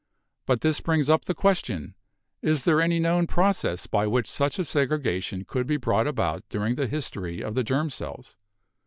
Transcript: But this brings up the question, Is there any known process by which such a segregation could be brought about during the history of the germ cells?